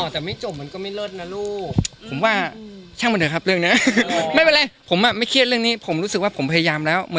แต่รู้เหรอแต่มิจโจมันก็ไม่เลิศนะลูก